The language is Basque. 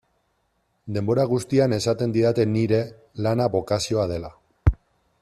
Denbora guztian esaten didate nire lana bokazioa dela.